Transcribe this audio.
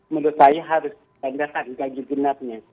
menurut saya harus ditandakan ganjil genapnya